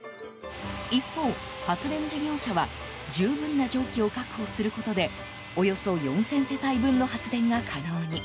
一方、発電事業者は十分な蒸気を確保することでおよそ４０００世帯分の発電が可能に。